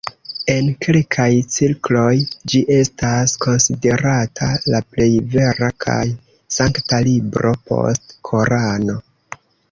En kelkaj cirkloj ĝi estas konsiderata la plej vera kaj sankta libro post Korano.